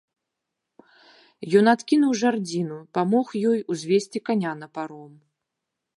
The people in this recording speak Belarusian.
Ён адкінуў жардзіну, памог ёй узвесці каня на паром.